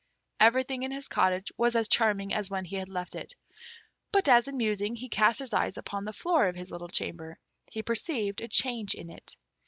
Everything in his cottage was as charming as when he had left it; but as in musing he cast his eyes upon the floor of his little chamber, he perceived a change in it.